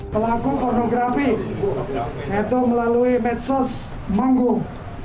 pelaku pornografi itu melalui medsos menggum